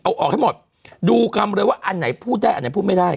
เอาออกให้หมดดูคำเลยว่าอันไหนพูดได้อันไหนพูดไม่ได้